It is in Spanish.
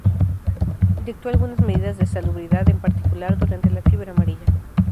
Dictó algunas medidas de salubridad, en particular durante la fiebre amarilla.